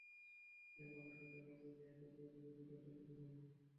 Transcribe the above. সে প্রকাশ করতে লাগল যে, এসব জাদু ব্যতীত অন্য কিছু নয়।